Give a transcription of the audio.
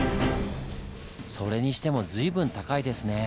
それにしても随分高いですねぇ。